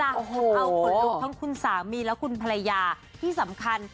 เอาขนลุกทั้งคุณสามีและคุณภรรยาที่สำคัญ